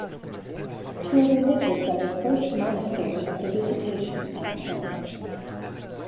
_To a Religious of the First Monastery of the Visitation at Paris.